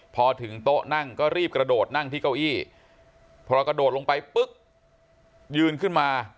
พอถึงโต๊ะนั่งก็รีบกระโดดนั่งที่เก้าอี้พอกระโดดลงไปปุ๊บยืนขึ้นมา